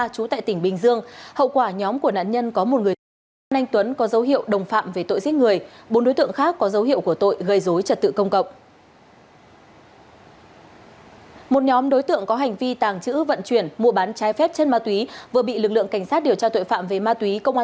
cụ thể vào khoảng một giờ sáng nay lực lượng cảnh sát điều tra tội phạm về ma túy